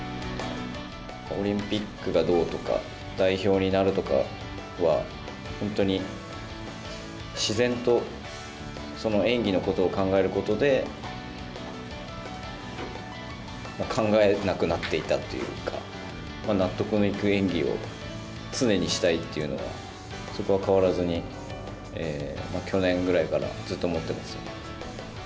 オリンピックがどうとか、代表になるとかは、本当に自然とその演技のことを考えることで、考えなくなっていたというか、納得のいく演技を常にしたいっていうのは、そこは変わらずに、去年ぐらいからずっと思ってます。